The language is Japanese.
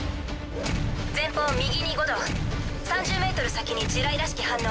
前方右に５度３０メートル先に地雷らしき反応。